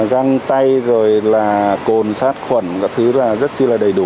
răng tay rồi là cồn sát khuẩn các thứ rất là đầy